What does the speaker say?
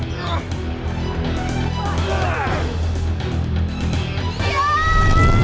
kami akan menang